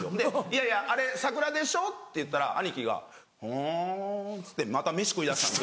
「いやいやあれ桜でしょ」って言ったら兄貴が「あぁ」っつってまた飯食いだしたんですよ。